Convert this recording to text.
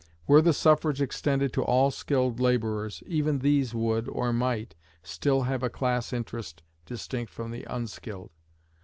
Were the suffrage extended to all skilled laborers, even these would, or might, still have a class interest distinct from the unskilled.